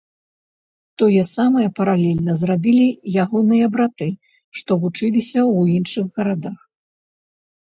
Тое самае, паралельна, зрабілі ягоныя браты, што вучыліся ў іншых гарадах.